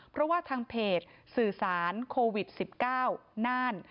เพราะว่าทางเพจสื่อสารโควิด๑๙น่าน